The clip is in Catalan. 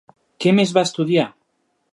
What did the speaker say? Què més va estudiar?